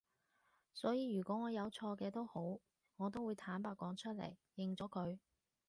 所以如果我有錯嘅都好我都會坦白講出嚟，認咗佢